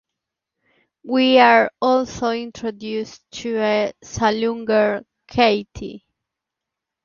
We are also introduced to a saloon girl, Kathy.